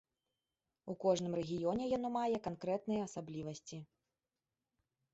У кожным рэгіёне яно мае канкрэтныя асаблівасці.